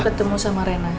untuk ketemu sama reina